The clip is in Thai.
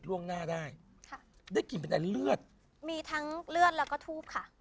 ล่วงหน้าได้ค่ะได้กลิ่นเป็นอะไรเลือดมีทั้งเลือดแล้วก็ทูบค่ะ